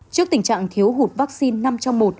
trước tình trạng thiếu hụt vắc xin năm trong một